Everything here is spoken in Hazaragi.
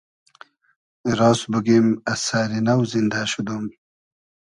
راس بوگیم از سئری نۆ زیندۂ شودوم